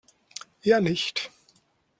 Eher nicht.